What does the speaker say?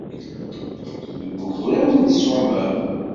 Deg ugraw n Ssumam.